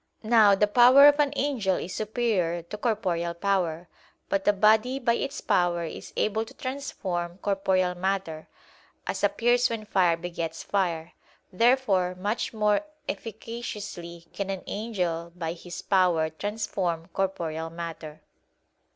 Now the power of an angel is superior to corporeal power. But a body by its power is able to transform corporeal matter; as appears when fire begets fire. Therefore much more efficaciously can an angel by his power transform corporeal matter.